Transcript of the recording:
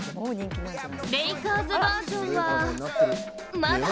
レイカーズバージョンはまだ。